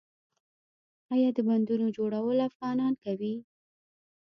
آیا د بندونو جوړول افغانان کوي؟